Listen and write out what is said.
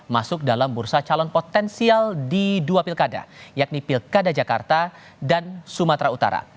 masuk dalam bursa calon potensial di dua pilkada yakni pilkada jakarta dan sumatera utara